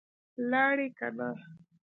لاړې که نه؟